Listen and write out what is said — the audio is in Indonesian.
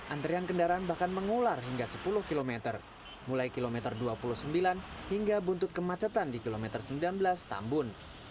antrian kendaraan bahkan mengular hingga sepuluh km mulai kilometer dua puluh sembilan hingga buntut kemacetan di kilometer sembilan belas tambun